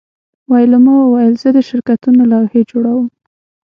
ویلما وویل زه د شرکتونو لوحې جوړوم